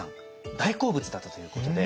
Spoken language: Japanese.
大好物だったということで。